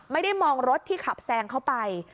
ไม่ได้มองรถที่ขับแซงเข้าไป